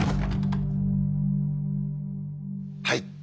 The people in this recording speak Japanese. はい。